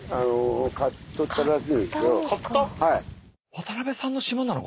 渡邊さんの島なの？